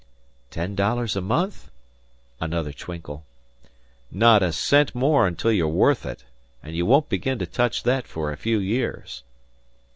"Ten dollars a month?" Another twinkle. "Not a cent more until you're worth it, and you won't begin to touch that for a few years."